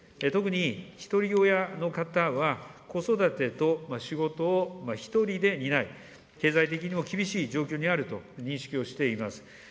特に、ひとり親の方は、子育てと仕事を一人で担い、経済的にも厳しい状況にあると認識をしています。